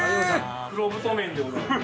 黒太麺でございます。